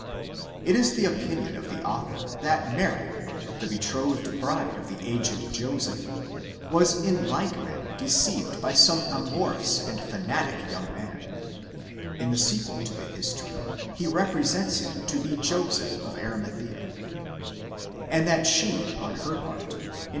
It is the opinion of the author that Mary, the betrothed bride of the aged Joseph, was in like manner deceived. by some amorous and fanatic young man (in the sequel to the history he: represents him to be Joseph of Arimathea), and that she on her part, in.